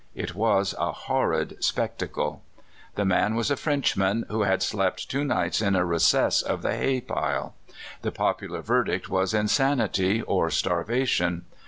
It was a horrid spectacle. The man was a Frenchman, who had slept two nights in a recess of the hay pile. The popular verdict was insanity or starvation.